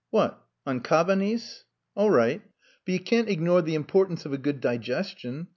"What? On Cabanis? All right. But you can't ignore the importance of a good digestion.